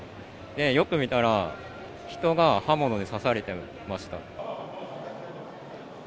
よく見たら、人が刃物で刺されてました。